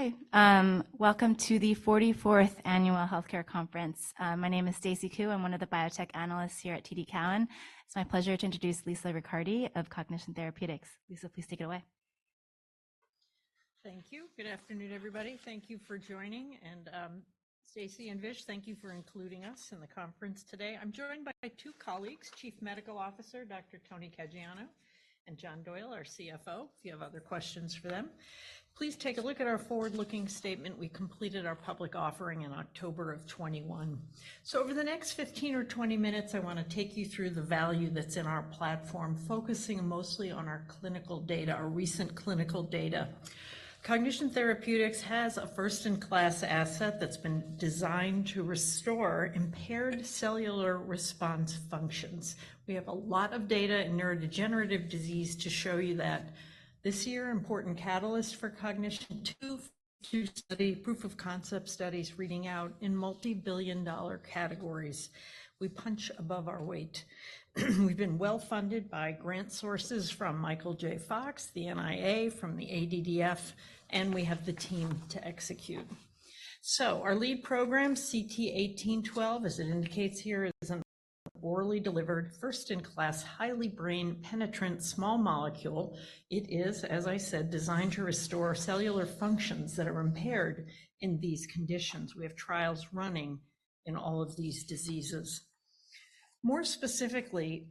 Okay, welcome to the 44th Annual Healthcare Conference. My name is Stacy Ku. I'm one of the biotech analysts here at TD Cowen. It's my pleasure to introduce Lisa Ricciardi of Cognition Therapeutics. Lisa, please take it away. Thank you. Good afternoon, everybody. Thank you for joining, and, Stacy and Vish, thank you for including us in the conference today. I'm joined by two colleagues, Chief Medical Officer, Dr. Tony Caggiano, and John Doyle, our CFO, if you have other questions for them. Please take a look at our forward-looking statement. We completed our public offering in October of 2021. So over the next 15 or 20 minutes, I wanna take you through the value that's in our platform, focusing mostly on our clinical data, our recent clinical data. Cognition Therapeutics has a first-in-class asset that's been designed to restore impaired cellular response functions. We have a lot of data in neurodegenerative disease to show you that. This year, important catalyst for Cognition, 2 huge study, proof of concept studies reading out in multi-billion dollar categories. We punch above our weight. We've been well-funded by grant sources from Michael J. Fox, the NIA, from the ADDF, and we have the team to execute. So our lead program, CT-1812, as it indicates here, is an orally delivered, first-in-class, highly brain-penetrant small molecule. It is, as I said, designed to restore cellular functions that are impaired in these conditions. We have trials running in all of these diseases. More specifically,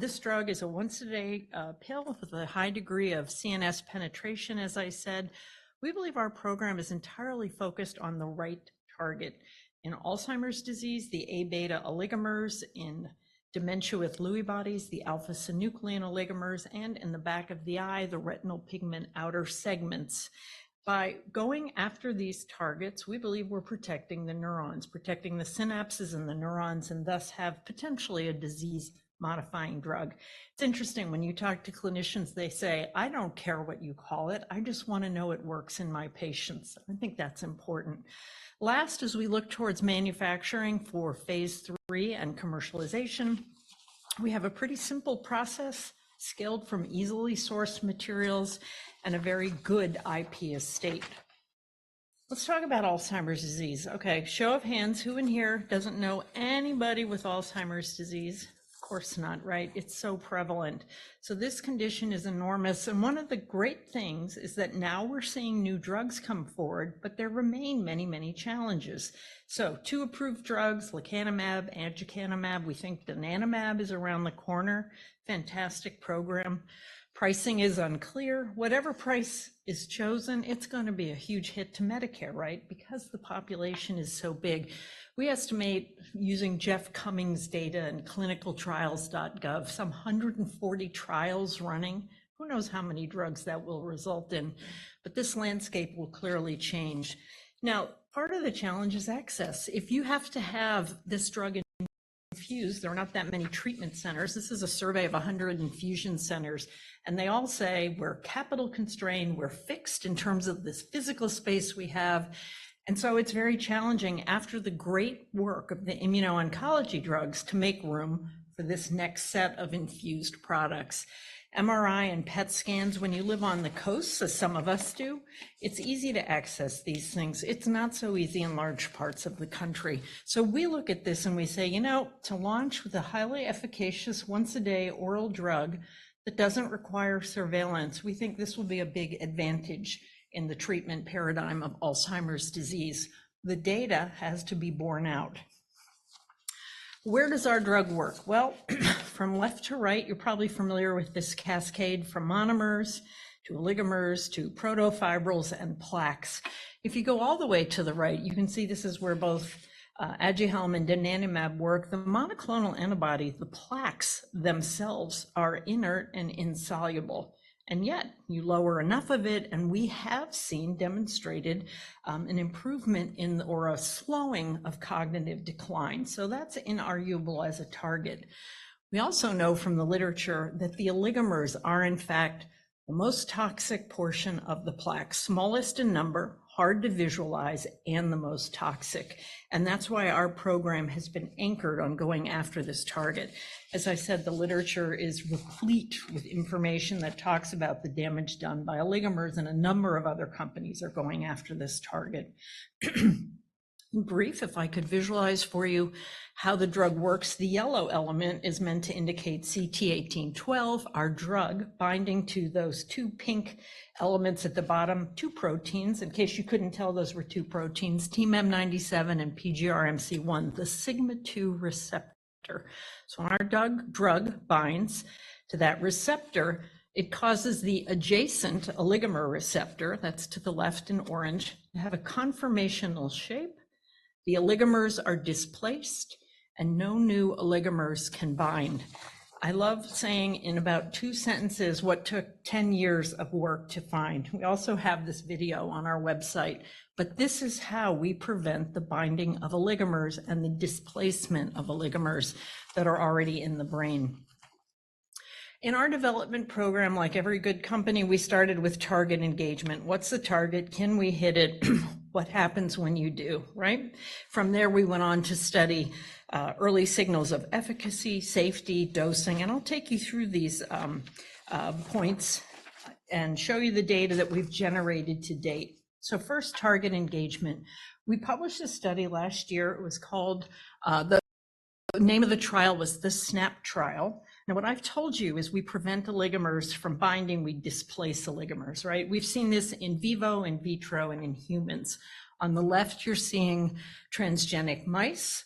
this drug is a once-a-day pill with a high degree of CNS penetration, as I said. We believe our program is entirely focused on the right target. In Alzheimer's disease, the A beta oligomers, in dementia with Lewy bodies, the alpha-synuclein oligomers, and in the back of the eye, the retinal pigment outer segments. By going after these targets, we believe we're protecting the neurons, protecting the synapses and the neurons, and thus have potentially a disease-modifying drug. It's interesting, when you talk to clinicians, they say, "I don't care what you call it, I just wanna know it works in my patients." I think that's important. Last, as we look towards manufacturing for phase III and commercialization, we have a pretty simple process, scaled from easily sourced materials and a very good IP estate. Let's talk about Alzheimer's disease. Okay, show of hands, who in here doesn't know anybody with Alzheimer's disease? Of course not, right? It's so prevalent. This condition is enormous, and one of the great things is that now we're seeing new drugs come forward, but there remain many, many challenges. Two approved drugs, lecanemab, aducanumab. We think donanemab is around the corner. Fantastic program. Pricing is unclear. Whatever price is chosen, it's gonna be a huge hit to Medicare, right? Because the population is so big. We estimate, using Jeff Cummings' data and clinicaltrials.gov, some 140 trials running. Who knows how many drugs that will result in, but this landscape will clearly change. Now, part of the challenge is access. If you have to have this drug infused, there are not that many treatment centers. This is a survey of 100 infusion centers, and they all say, "We're capital constrained. We're fixed in terms of this physical space we have." And so it's very challenging after the great work of the immuno-oncology drugs to make room for this next set of infused products. MRI and PET scans, when you live on the coast, as some of us do, it's easy to access these things. It's not so easy in large parts of the country. So we look at this and we say, "You know, to launch with a highly efficacious once-a-day oral drug that doesn't require surveillance, we think this will be a big advantage in the treatment paradigm of Alzheimer's disease." The data has to be borne out. Where does our drug work? Well, from left to right, you're probably familiar with this cascade from monomers to oligomers to protofibrils and plaques. If you go all the way to the right, you can see this is where both, Aduhelm and donanemab work. The monoclonal antibody, the plaques themselves are inert and insoluble, and yet you lower enough of it, and we have seen demonstrated, an improvement in or a slowing of cognitive decline. So that's inarguable as a target. We also know from the literature that the oligomers are, in fact, the most toxic portion of the plaque, smallest in number, hard to visualize, and the most toxic, and that's why our program has been anchored on going after this target. As I said, the literature is replete with information that talks about the damage done by oligomers, and a number of other companies are going after this target. In brief, if I could visualize for you how the drug works, the yellow element is meant to indicate CT1812, our drug, binding to those two pink elements at the bottom, two proteins. In case you couldn't tell, those were two proteins, TMEM97 and PGRMC1, the sigma-2 receptor. So when our drug binds to that receptor, it causes the adjacent oligomer receptor, that's to the left in orange, to have a conformational shape. The oligomers are displaced, and no new oligomers can bind. I love saying in about two sentences what took 10 years of work to find. We also have this video on our website, but this is how we prevent the binding of oligomers and the displacement of oligomers that are already in the brain. In our development program, like every good company, we started with target engagement. What's the target? Can we hit it? What happens when you do, right? From there, we went on to study early signals of efficacy, safety, dosing, and I'll take you through these points and show you the data that we've generated to date. So first, target engagement. We published a study last year. It was called the name of the trial was the SNAP Trial. Now, what I've told you is we prevent oligomers from binding, we displace oligomers, right? We've seen this in vivo, in vitro, and in humans. On the left, you're seeing transgenic mice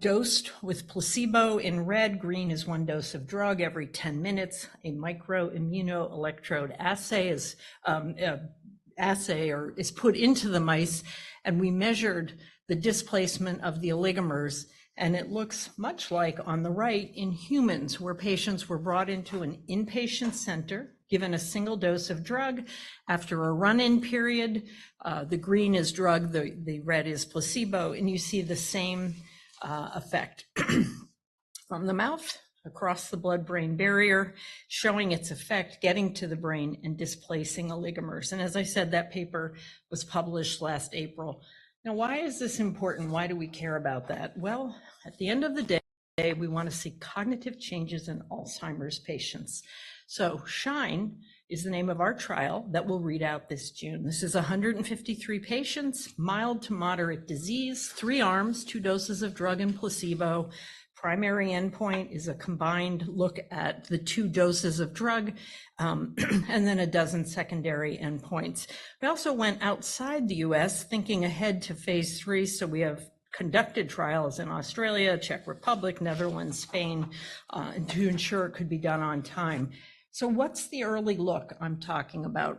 dosed with placebo in red. Green is 1 dose of drug every 10 minutes. A micro immunoelectrode assay is put into the mice, and we measured the displacement of the oligomers, and it looks much like on the right in humans, where patients were brought into an inpatient center, given a single dose of drug. After a run-in period, the green is drug, the red is placebo, and you see the same effect from the mouth across the blood-brain barrier, showing its effect, getting to the brain and displacing oligomers. And as I said, that paper was published last April. Now, why is this important? Why do we care about that? Well, at the end of the day, we wanna see cognitive changes in Alzheimer's patients. So SHINE is the name of our trial that we'll read out this June. This is 153 patients, mild to moderate disease, three arms, two doses of drug and placebo. Primary endpoint is a combined look at the two doses of drug, and then 12 secondary endpoints. We also went outside the U.S., thinking ahead to phase III, so we have conducted trials in Australia, Czech Republic, Netherlands, Spain, to ensure it could be done on time. So what's the early look I'm talking about?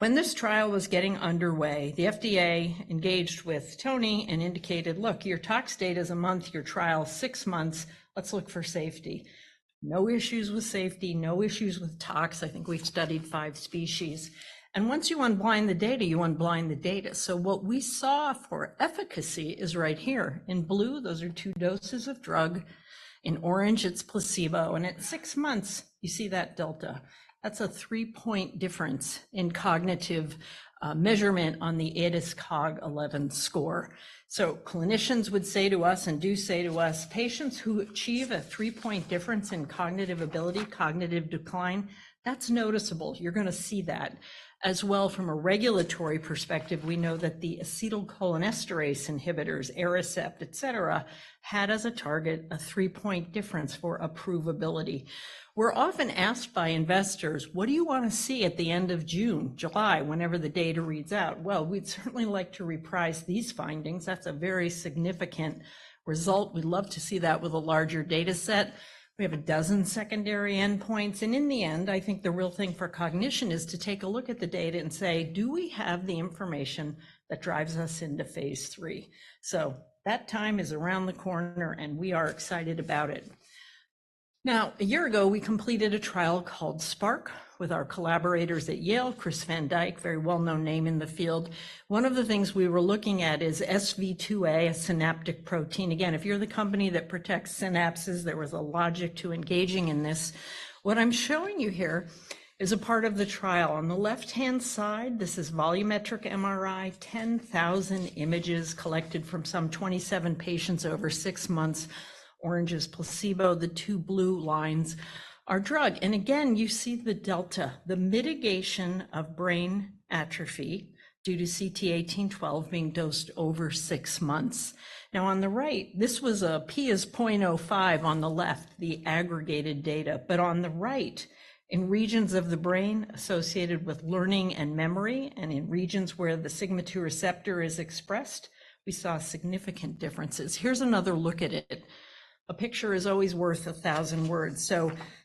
When this trial was getting underway, the FDA engaged with Tony and indicated, "Look, your tox date is one month, your trial, six months. Let's look for safety." No issues with safety, no issues with tox. I think we've studied five species. Once you unblind the data, you unblind the data. What we saw for efficacy is right here. In blue, those are two doses of drug. In orange, it's placebo, and at six months, you see that delta. That's a 3-point difference in cognitive measurement on the ADAS-Cog 11 score. Clinicians would say to us and do say to us, "Patients who achieve a 3-point difference in cognitive ability, cognitive decline, that's noticeable." You're gonna see that. As well from a regulatory perspective, we know that the acetylcholinesterase inhibitors, Aricept, et cetera, had as a target a 3-point difference for approvability. We're often asked by investors: "What do you wanna see at the end of June, July, whenever the data reads out?" Well, we'd certainly like to reprise these findings. That's a very significant result. We'd love to see that with a larger dataset. We have a dozen secondary endpoints, and in the end, I think the real thing for cognition is to take a look at the data and say: Do we have the information that drives us into phase III? So that time is around the corner, and we are excited about it. Now, a year ago, we completed a trial called SPARK with our collaborators at Yale. Chris van Dyck, very well-known name in the field. One of the things we were looking at is SV2A, a synaptic protein. Again, if you're the company that protects synapses, there was a logic to engaging in this. What I'm showing you here is a part of the trial. On the left-hand side, this is volumetric MRI, 10,000 images collected from some 27 patients over six months. Orange is placebo. The two blue lines are drug. Again, you see the delta, the mitigation of brain atrophy due to CT1812 being dosed over six months. Now, on the right, this was a P is 0.05 on the left, the aggregated data. But on the right, in regions of the brain associated with learning and memory, and in regions where the sigma-2 receptor is expressed, we saw significant differences. Here's another look at it. A picture is always worth a thousand words.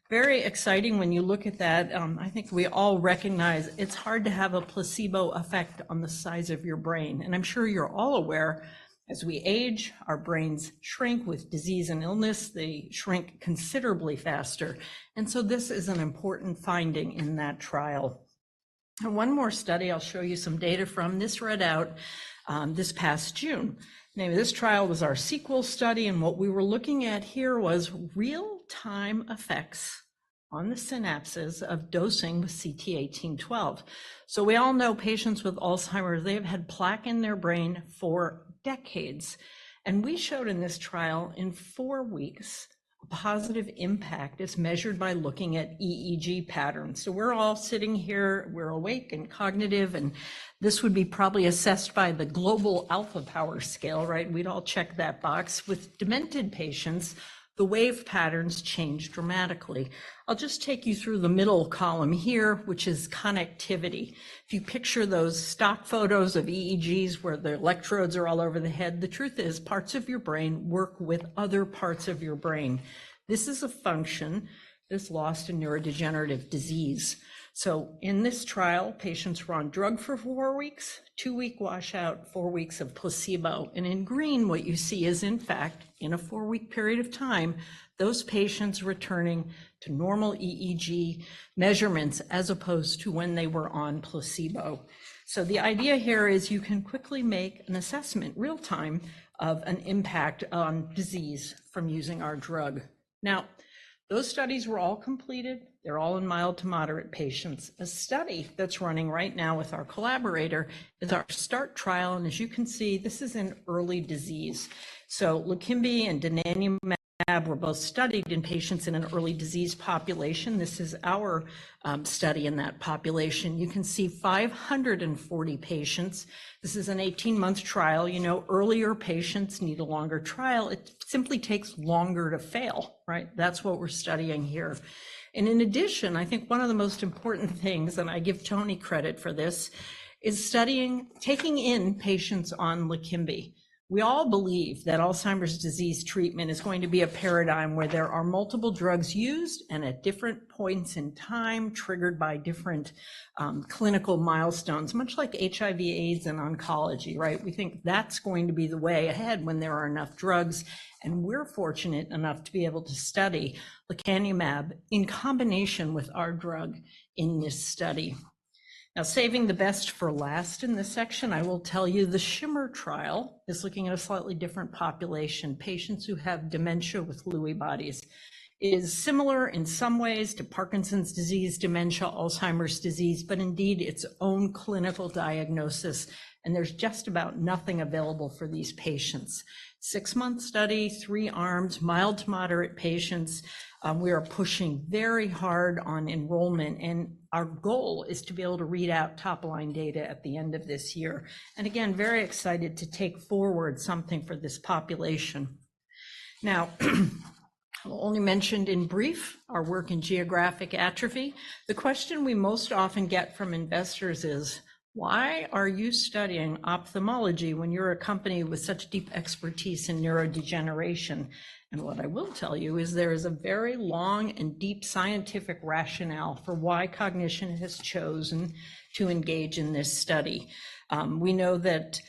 Very exciting when you look at that. I think we all recognize it's hard to have a placebo effect on the size of your brain, and I'm sure you're all aware, as we age, our brains shrink. With disease and illness, they shrink considerably faster. And so this is an important finding in that trial. One more study, I'll show you some data from this read out this past June. Name of this trial was our SEQUEL study, and what we were looking at here was real-time effects on the synapses of dosing with CT-1812. So we all know patients with Alzheimer's, they have had plaque in their brain for decades. And we showed in this trial, in four weeks, a positive impact is measured by looking at EEG patterns. So we're all sitting here, we're awake and cognitive, and this would be probably assessed by the global alpha power scale, right? We'd all check that box. With demented patients, the wave patterns change dramatically. I'll just take you through the middle column here, which is connectivity. If you picture those stock photos of EEGs, where the electrodes are all over the head, the truth is, parts of your brain work with other parts of your brain. This is a function that's lost in neurodegenerative disease. So in this trial, patients were on drug for four weeks, 2-week wash out, four weeks of placebo. And in green, what you see is, in fact, in a 4-week period of time, those patients returning to normal EEG measurements, as opposed to when they were on placebo. So the idea here is you can quickly make an assessment, real time, of an impact on disease from using our drug. Now, those studies were all completed. They're all in mild to moderate patients. A study that's running right now with our collaborator is our START trial, and as you can see, this is in early disease. So Leqembi and donanemab were both studied in patients in an early disease population. This is our study in that population. You can see 540 patients. This is an 18-month trial. You know, earlier patients need a longer trial. It simply takes longer to fail, right? That's what we're studying here. And in addition, I think one of the most important things, and I give Tony credit for this, is taking in patients on Leqembi. We all believe that Alzheimer's disease treatment is going to be a paradigm where there are multiple drugs used and at different points in time, triggered by different clinical milestones, much like HIV, AIDS, and oncology, right? We think that's going to be the way ahead when there are enough drugs, and we're fortunate enough to be able to study lecanemab in combination with our drug in this study. Now, saving the best for last in this section, I will tell you the SHIMMER trial is looking at a slightly different population. Patients who have dementia with Lewy bodies. It is similar in some ways to Parkinson's disease, dementia, Alzheimer's disease, but indeed, its own clinical diagnosis, and there's just about nothing available for these patients. Six-month study, three arms, mild to moderate patients. We are pushing very hard on enrollment, and our goal is to be able to read out top-line data at the end of this year. And again, very excited to take forward something for this population. Now, I only mentioned in brief our work in geographic atrophy. The question we most often get from investors is, "Why are you studying ophthalmology when you're a company with such deep expertise in neurodegeneration?" What I will tell you is there is a very long and deep scientific rationale for why Cognition has chosen to engage in this study. We know that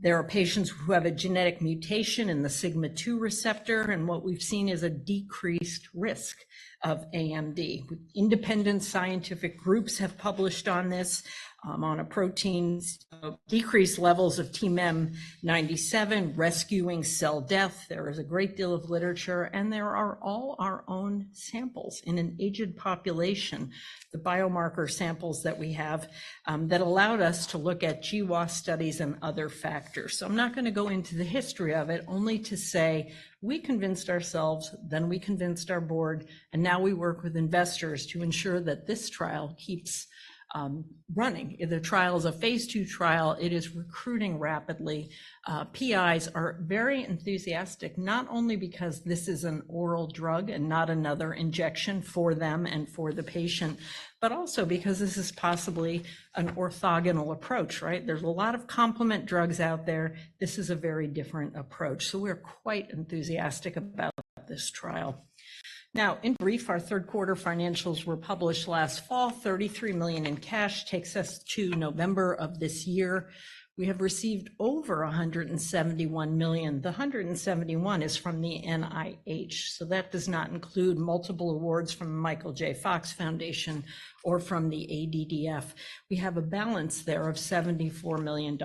there are patients who have a genetic mutation in the sigma-2 receptor, and what we've seen is a decreased risk of AMD. Independent scientific groups have published on this, on proteins, decreased levels of TMEM97, rescuing cell death. There is a great deal of literature, and there are all our own samples in an aged population, the biomarker samples that we have, that allowed us to look at GWAS studies and other factors. So I'm not going to go into the history of it, only to say we convinced ourselves, then we convinced our board, and now we work with investors to ensure that this trial keeps running. The trial is a phase II trial. It is recruiting rapidly. PIs are very enthusiastic, not only because this is an oral drug and not another injection for them and for the patient, but also because this is possibly an orthogonal approach, right? There's a lot of complement drugs out there. This is a very different approach, so we're quite enthusiastic about this trial. Now, in brief, our third quarter financials were published last fall. $33 million in cash takes us to November of this year. We have received over $171 million. The 171 is from the NIH, so that does not include multiple awards from the Michael J. Fox Foundation or from the ADDF. We have a balance there of $74 million.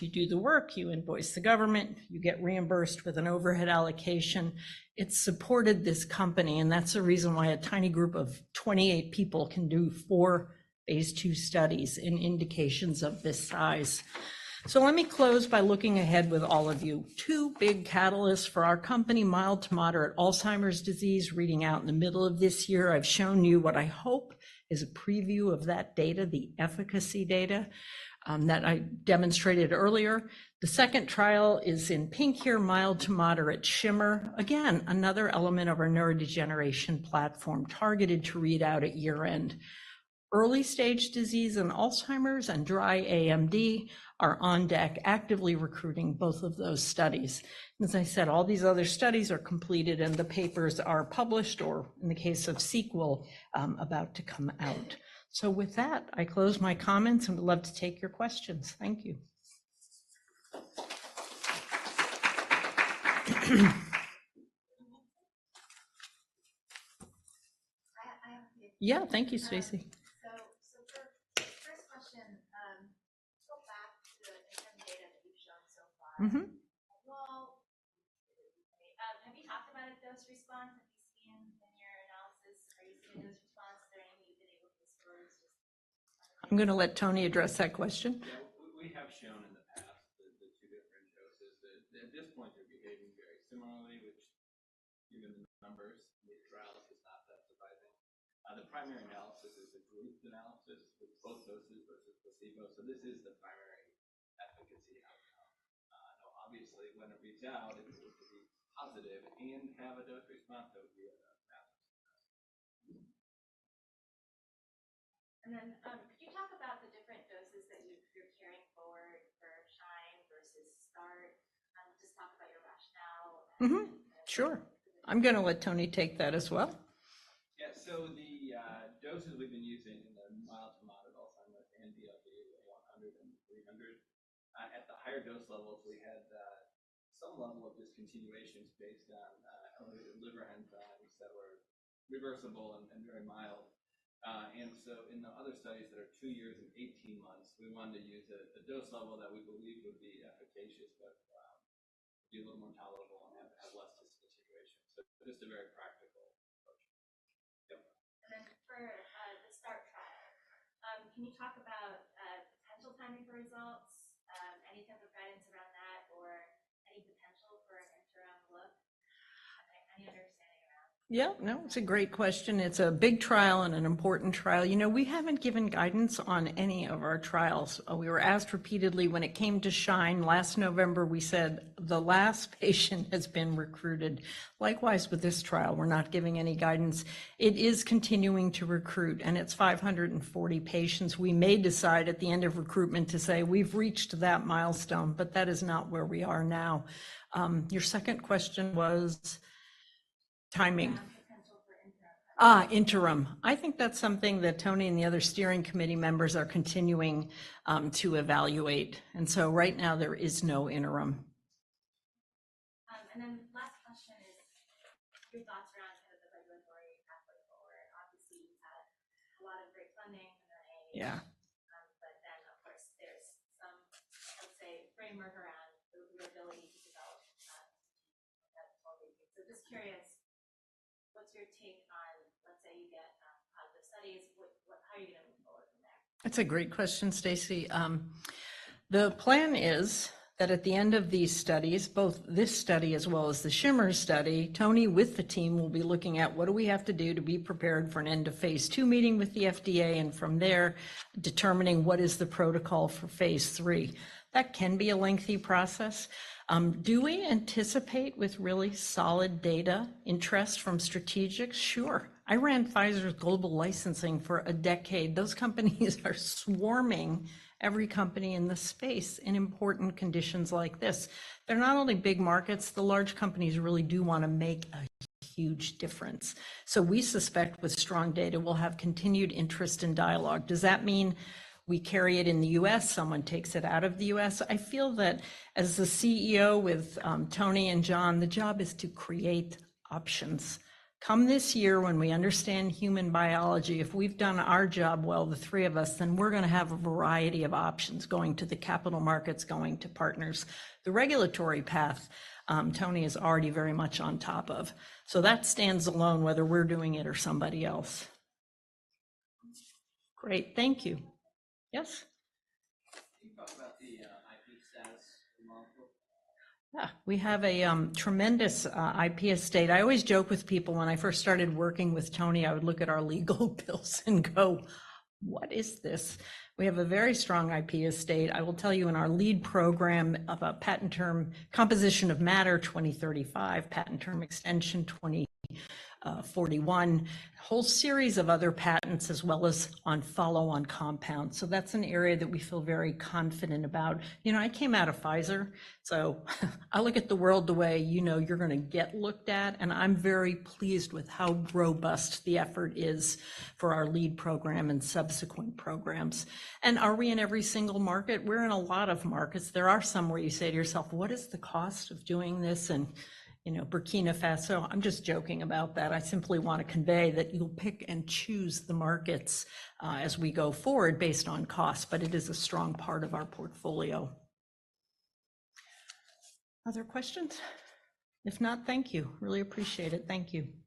You do the work, you invoice the government, you get reimbursed with an overhead allocation. It supported this company, and that's the reason why a tiny group of 28 people can do four phase II studies in indications of this size. So let me close by looking ahead with all of you. 2 big catalysts for our company, mild to moderate Alzheimer's disease, reading out in the middle of this year. I've shown you what I hope is a preview of that data, the efficacy data, that I demonstrated earlier. The second trial is in pink here, mild to moderate SHIMMER. Again, another element of our neurodegeneration platform, targeted to read out at year-end. Early-stage disease in Alzheimer's and dry AMD are on deck, actively recruiting both of those studies. As I said, all these other studies are completed, and the papers are published, or in the case of SEQUEL, about to come out. With that, I close my comments and would love to take your questions. Thank you. Yeah. Thank you, Stacy. So, for the first question, go back to the interim data that you've shown so far. Well, have you talked about a dose-response that you've seen in your analysis? Are you seeing a dose-response? There any that you've been able to observe just. I'm gonna let Tony address that question. Yeah. We have shown in the past the two different doses. At this point, they're behaving very similarly, which given the numbers, the trial is not that surprising. The primary analysis is a grouped analysis with both doses versus placebo, so this is the primary efficacy outcome. Now, obviously, when it reads out, it needs to be positive and have a dose response that would be enough. And then, could you talk about the different doses that you're carrying forward for SHINE versus START? Just talk about your rationale and- Sure. I'm gonna let Tony take that as well. Yeah. So the doses we've been using in the mild to moderate Alzheimer's and the ADA 100 and 300. At the higher dose levels, we had some level of discontinuations based on elevated liver enzymes reversible and very mild. And so in the other studies that are two years and 18 months, we wanted to use a dose level that we believe would be efficacious, but be a little more tolerable and have less discontinuation. So just a very practical approach. Yeah. And then for the START trial, can you talk about potential timing for results, any type of guidance around that, or any potential for an interim look? Any understanding around that? Yeah, no, it's a great question. It's a big trial and an important trial. You know, we haven't given guidance on any of our trials. We were asked repeatedly when it came to SHINE last November, we said, "The last patient has been recruited." Likewise, with this trial, we're not giving any guidance. It is continuing to recruit, and it's 540 patients. We may decide at the end of recruitment to say, "We've reached that milestone," but that is not where we are now. Your second question was timing. Yeah, potential for interim. Ah, interim. I think that's something that Tony and the other steering committee members are continuing to evaluate, and so right now there is no interim. And then, last question is your thoughts around kind of the regulatory path forward. Obviously, you've had a lot of great funding from the NIH. But then, of course, there's some, let's say, framework around the, your ability to develop that fully. So just curious, what's your take on, let's say, you get positive studies, how are you going to move forward from there? That's a great question, Stacy. The plan is that at the end of these studies, both this study as well as the SHIMMER study, Tony, with the team, will be looking at what do we have to do to be prepared for an end-of-phase II meeting with the FDA, and from there, determining what is the protocol for phase III. That can be a lengthy process. Do we anticipate, with really solid data, interest from strategics? Sure. I ran Pfizer's global licensing for a decade. Those companies are swarming every company in the space in important conditions like this. They're not only big markets, the large companies really do wanna make a huge difference. So we suspect with strong data, we'll have continued interest and dialogue. Does that mean we carry it in the U.S., someone takes it out of the U.S.? I feel that as the CEO with Tony and John, the job is to create options. Come this year, when we understand human biology, if we've done our job well, the three of us, then we're gonna have a variety of options going to the capital markets, going to partners. The regulatory path, Tony is already very much on top of. So that stands alone, whether we're doing it or somebody else. Great, thank you. Yes? Can you talk about the IP status for the model? Yeah. We have a tremendous IP estate. I always joke with people, when I first started working with Tony, I would look at our legal bills and go, "What is this?" We have a very strong IP estate. I will tell you, in our lead program of a patent term, composition of matter, 2035, patent term extension, 2041, whole series of other patents as well as on follow-on compounds. So that's an area that we feel very confident about. You know, I came out of Pfizer, so I look at the world the way you know you're gonna get looked at, and I'm very pleased with how robust the effort is for our lead program and subsequent programs. And are we in every single market? We're in a lot of markets. There are some where you say to yourself, "What is the cost of doing this in, you know, Burkina Faso?" I'm just joking about that. I simply wanna convey that you'll pick and choose the markets, as we go forward based on cost, but it is a strong part of our portfolio. Other questions? If not, thank you. Really appreciate it. Thank you.